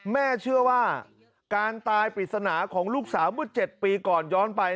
แม่เชื่อว่าการตายปริศนาของลูกสาวเมื่อ๗ปีก่อนย้อนไป